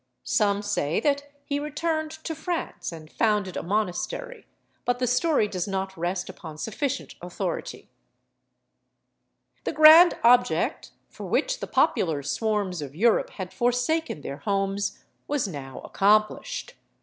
Some say that he returned to France and founded a monastery, but the story does not rest upon sufficient authority. [Illustration: SIEGE OF JERUSALEM.] The grand object for which the popular swarms of Europe had forsaken their homes was now accomplished.